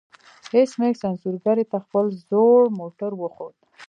ایس میکس انځورګرې ته خپل زوړ موټر وښود